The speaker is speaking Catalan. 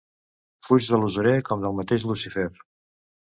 Fuig de l'usurer com del mateix Lucífer.